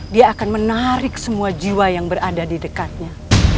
dia akan menarik semua jiwa yang berada di dekatnya